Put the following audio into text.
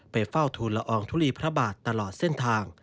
เฝ้าทูลละอองทุลีพระบาทตลอดเส้นทาง